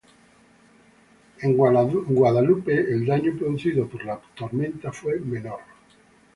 En Guadalupe el daño producido por la tormenta fue menor.